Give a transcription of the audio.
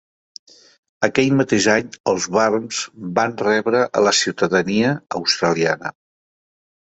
Aquell mateix any els Wurms van rebre la ciutadania australiana.